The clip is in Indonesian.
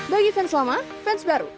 bagi fans lama fans baru